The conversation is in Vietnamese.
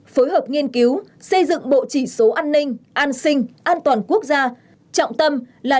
phối hợp nghiên cứu xây dựng bộ chỉ số an ninh an sinh an toàn quốc gia